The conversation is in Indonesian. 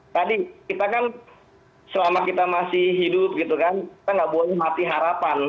tadi kita kan selama kita masih hidup kita tidak boleh mati harapan